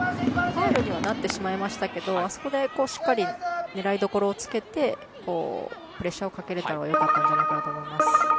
ファウルにはなってしまいましたがあそこでしっかり狙いどころを付けてプレッシャーをかけられたのが良かったと思います。